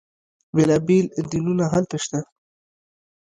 بیلا بیل دینونه هلته شته.